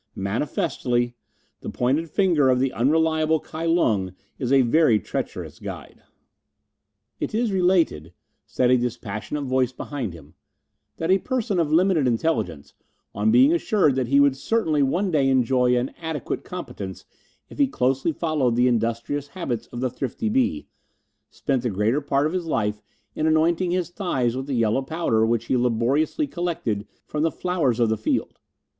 Manifestedly the pointed finger of the unreliable Kai Lung is a very treacherous guide." "It is related," said a dispassionate voice behind them, "that a person of limited intelligence, on being assured that he would certainly one day enjoy an adequate competence if he closely followed the industrious habits of the thrifty bee, spent the greater part of his life in anointing his thighs with the yellow powder which he laboriously collected from the flowers of the field.